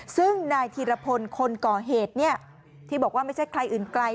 ซึ่งนายธีรพลคนก่อเหตุที่บอกว่าไม่ใช่ใครอื่นไกล